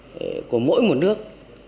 tình hình cụ thể của mỗi một nước